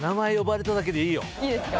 いいですか？